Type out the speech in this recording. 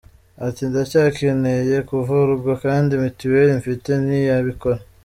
Ati “Ndacyakeneye kuvurwa, kandi mituweli mfite ntiyabikora.